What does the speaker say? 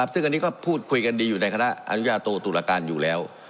ซึ่งอันนี้ก็พูดคุยกันดีอยู่ในคณะอนุญาโตตุรการอยู่แล้ว